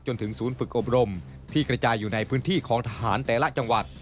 ศูนย์ฝึกอบรมที่กระจายอยู่ในพื้นที่ของทหารแต่ละจังหวัด